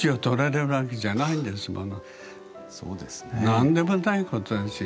何でもないことですよ。